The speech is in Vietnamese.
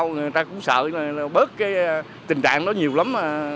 người ta cũng sợ bớt tình trạng đó nhiều lắm